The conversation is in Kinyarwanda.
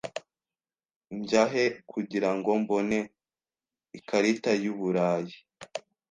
Njya he kugirango mbone ikarita yu Burayi?